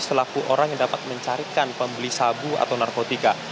selaku orang yang dapat mencarikan pembeli sabu atau narkotika